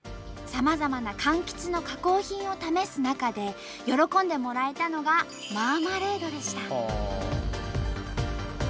さまざまなかんきつの加工品を試す中で喜んでもらえたのがマーマレードでした。